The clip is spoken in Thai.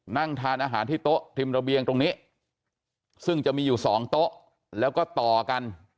นั่งทานอาหารที่โต๊ะทิมระเบียงตรงนี้ซึ่งจะมีอยู่สองโต๊ะแล้วก็ต่อกัน